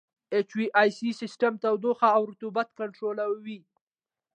اچ وي اې سي سیسټم تودوخه او رطوبت کنټرولوي.